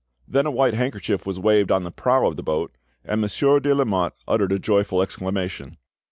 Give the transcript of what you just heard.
Then a white handkerchief was waved on the prow of the boat, and Monsieur de Lamotte uttered a joyful exclamation.